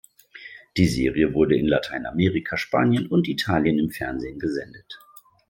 Die Serie wurde in Lateinamerika, Spanien und Italien im Fernsehen gesendet.